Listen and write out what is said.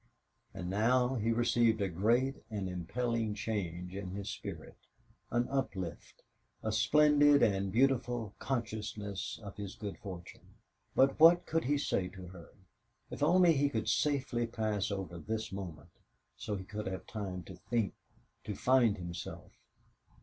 And now he received a great and impelling change in his spirit, an uplift, a splendid and beautiful consciousness of his good fortune. But what could he say to her? If only he could safely pass over this moment, so he could have time to think, to find himself.